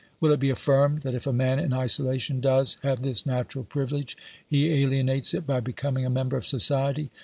Will it be affirmed that if man in isolation does have this natural privilege, he alienates it by becoming a member of society